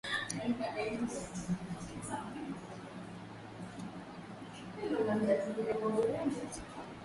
Hega na jamii yake na kwa pamoja wakatamalaki kwenye milima ya Uluguru na kiongozi